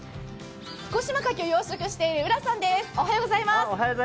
彦島牡蠣を養殖している浦さんです。